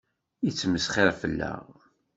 Yettmesxiṛ fell-aɣ.